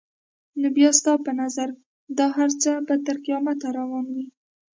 نو بیا ستا په نظر دا هر څه به تر قیامته روان وي؟